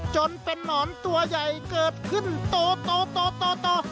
จนเป็นนอนตัวใหญ่เกิดขึ้นโตโตโตโตโต